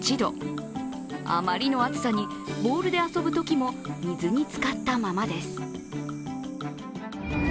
あまりの暑さにボールで遊ぶときも水につかったままです。